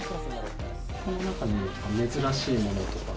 この中に珍しいものとか？